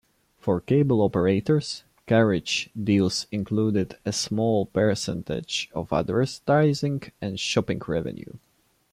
For cable operators, carriage deals included a small percentage of advertising and shopping revenue.